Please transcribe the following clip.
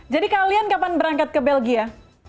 kalian kapan berangkat ke belgia